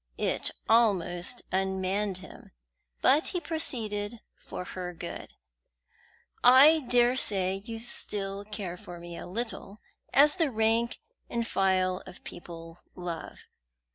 It almost unmanned him, but he proceeded, for her good: "I daresay you still care for me a little, as the rank and file of people love.